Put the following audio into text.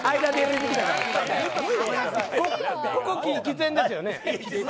ここ喫煙ですよね？